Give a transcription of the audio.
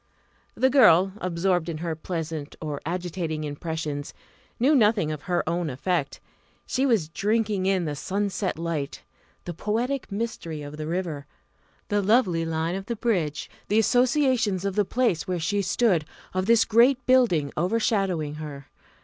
The girl, absorbed in her pleasant or agitating impressions, knew nothing of her own effect. She was drinking in the sunset light the poetic mystery of the river the lovely line of the bridge the associations of the place where she stood, of this great building overshadowing her.